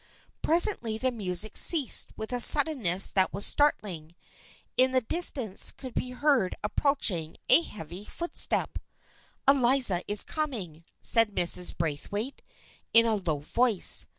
Presently the music ceased with a suddenness that was startling. In the distance could be heard approaching a heavy footstep. " Eliza is coming !" said Mrs. Braithwaite in a low voice.